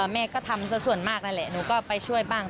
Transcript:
แม่ก็ทำสักส่วนมากนั่นแหละหนูก็ไปช่วยบ้าง